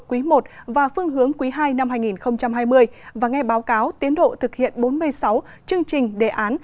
quý i và phương hướng quý ii năm hai nghìn hai mươi và nghe báo cáo tiến độ thực hiện bốn mươi sáu chương trình đề án